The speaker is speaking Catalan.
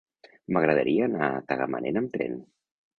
M'agradaria anar a Tagamanent amb tren.